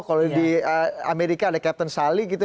kalau di amerika ada captain sally gitu